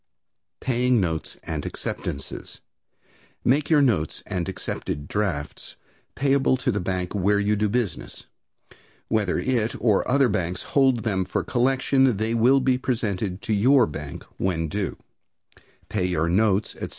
Paying Notes and Acceptances. Make your notes and accepted drafts payable at the bank where you do business. Whether it or other banks hold them for collection, they will be presented to your bank when due. Pay your notes, etc.